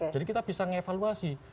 jadi kita bisa ngevaluasi